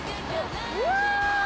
うわ！